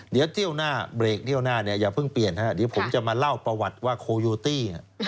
เดี๋ยวเที่ยวหน้าเบรกเที่ยวหน้าเนี่ยอย่าเพิ่งเปลี่ยนเดี๋ยวผมจะมาเล่าประวัติว่าโคโยตี้